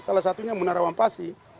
salah satunya menara wampasi